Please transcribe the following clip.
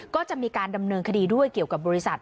ก็จะมีการดำเนินคดีด้วยเกี่ยวกับบริษัท